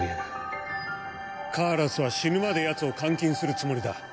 カーラスは死ぬまでやつを監禁するつもりだ。